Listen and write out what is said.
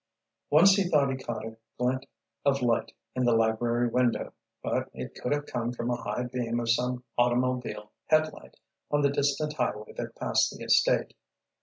Once he thought he caught a glint of light in the library window; but it could have come from a high beam of some automobile headlight, on the distant highway that passed the estate.